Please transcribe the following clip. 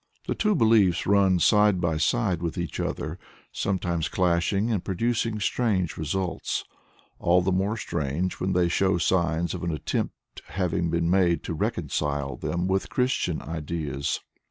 The two beliefs run side by side with each other, sometimes clashing and producing strange results all the more strange when they show signs of an attempt having been made to reconcile them with Christian ideas.